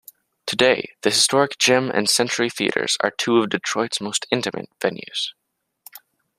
Today, the Historic Gem and Century Theatres are two of Detroit's most intimate venues.